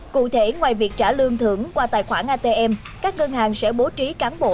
cụ thể ngoài việc trả lương thưởng qua tài khoản atm các ngân hàng sẽ bố trí cán bộ